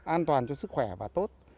an toàn cho sức khỏe và tốt